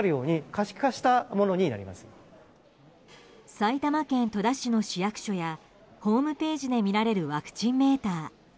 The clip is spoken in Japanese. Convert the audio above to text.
埼玉県戸田市の市役所やホームページで見られるワクチンメーター。